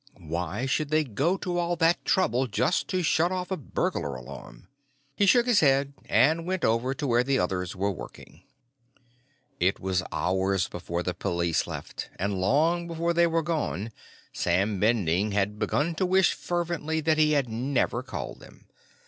Why should they go to all that trouble just to shut off a burglar alarm?" He shook his head and went over to where the others were working. It was hours before the police left, and long before they were gone Sam Bending had begun to wish fervently that he had never called them.